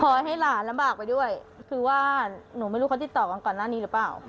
ให้หลานลำบากไปด้วยคือว่าหนูไม่รู้เขาติดต่อกันก่อนหน้านี้หรือเปล่า